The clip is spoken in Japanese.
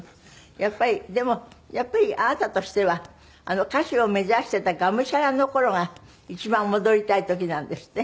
やっぱりでもやっぱりあなたとしては歌手を目指していたがむしゃらの頃が一番戻りたい時なんですって？